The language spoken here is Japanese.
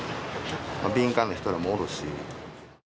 敏感な人もおるし。